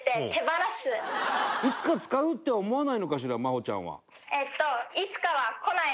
いつか使うって思わないのかしら麻帆ちゃんは。